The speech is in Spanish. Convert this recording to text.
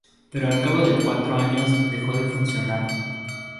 Pero al cabo de cuatro años dejó de funcionar.